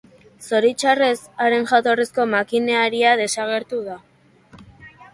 Zoritxarrez, haren jatorrizko makineria desagertu da.